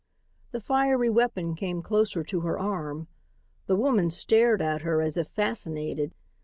The fiery weapon came closer to her arm. The woman stared at her as if fascinated.